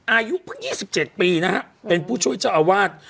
อายุเพิ่ง๒๗ปีนะฮะเป็นผู้ช่วยเจ้าอาวาส